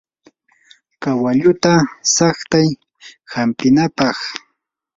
kawalluta saqtay hampinapaq.